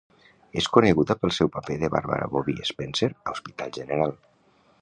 És coneguda pel seu paper de Barbara "Bobbie" Spencer a "Hospital General".